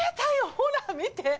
ほら、見て！